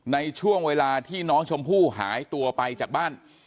ในช่วงเวลาที่น้องชมพู่หายตัวไปจากบ้าน